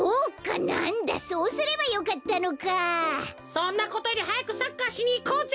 そんなことよりはやくサッカーしにいこうぜ！